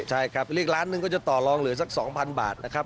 ใช่ครับเรียกล้านหนึ่งก็จะต่อลองเหลือสัก๒๐๐บาทนะครับ